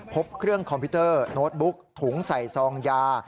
พบเครื่องคอมพิวเตอร์โน้ตบุ๊กถุงใส่ซองยา